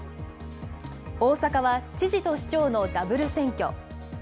大阪は知事と市長のダブル選挙。